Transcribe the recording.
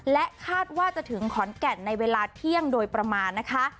และคาดว่าจะถึงขอนแก่นในเวลาเที่ยงโดยประมาณนะคะ